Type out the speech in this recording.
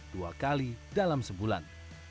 dua kali dalam sebulan